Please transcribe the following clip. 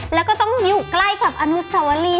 แล้วก็ต้องอยู่ใกล้กับอนุสวรี